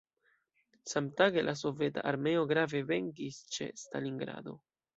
Samtage la soveta armeo grave venkis ĉe Stalingrado.